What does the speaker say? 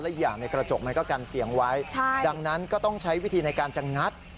อีกอย่างในกระจกมันก็กันเสียงไว้ดังนั้นก็ต้องใช้วิธีในการจะงัด